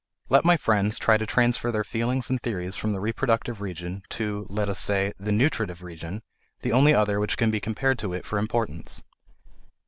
Let my friends try to transfer their feelings and theories from the reproductive region to, let us say, the nutritive region, the only other which can be compared to it for importance.